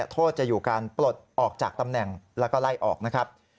โทษจะอยู่การปลดออกจากตำแหน่งแล้วก็ไล่ออกนะครับ